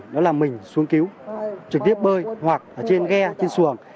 đó là mình xuống cứu trực tiếp bơi hoặc ở trên ghe trên xuồng